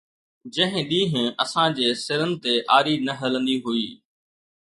جنهن ڏينهن اسان جي سرن تي آري نه هلندي هئي